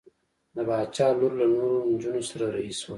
د باچا لور له نورو نجونو سره رهي شول.